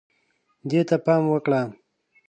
دې ته پام وکړه